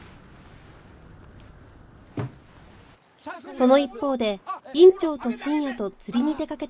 その一方で院長と深夜と釣りに出かけた鈴だったが